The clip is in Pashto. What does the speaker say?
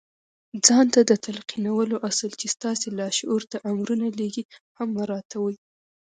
ځان ته د تلقينولو اصل چې ستاسې لاشعور ته امرونه لېږي هم مراعتوئ.